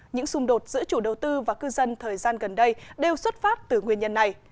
những xung đột giữa chủ đầu tư và cư dân thời gian gần đây đều xuất phát từ nguyên nhân này